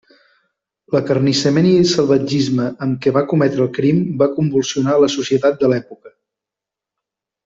L'acarnissament i salvatgisme amb què va cometre el crim va convulsionar la societat de l'època.